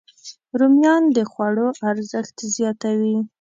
رومیان د خوړو ارزښت زیاتوي